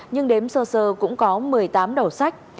nhưng đếm sơ sơ cũng có một mươi tám đầu sách